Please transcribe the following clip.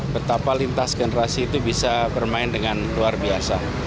betapa lintas generasi itu bisa bermain dengan luar biasa